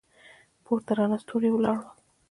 پورته راڼه ستوري ولاړ ول.